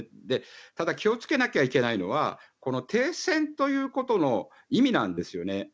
ただ気をつけなきゃいけないのはこの停戦ということの意味なんですよね。